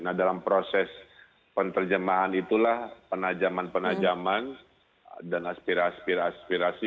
nah dalam proses penerjemahan itulah penajaman penajaman dan aspirasi aspirasi